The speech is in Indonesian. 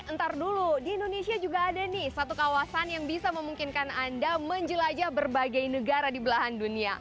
ntar dulu di indonesia juga ada nih satu kawasan yang bisa memungkinkan anda menjelajah berbagai negara di belahan dunia